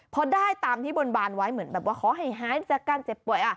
พอได้ตามที่บนบานไว้แบบว่าขอหายดีจากการเจ็บป่วย